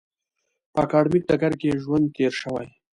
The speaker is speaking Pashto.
په اکاډمیک ډګر کې یې ژوند تېر شوی.